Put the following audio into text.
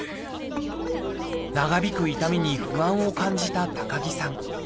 長引く痛みに不安を感じた高木さん。